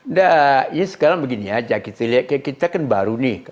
nah ini sekarang begini saja kita lihat kita kan baru nih